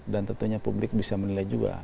dan tentunya publik bisa menilai juga